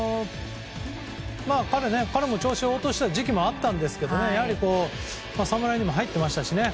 彼も調子を落とした時期もあったんですがやはり侍にも入ってましたしね。